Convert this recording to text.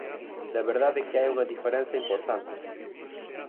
De verdade que hai unha diferenza importante.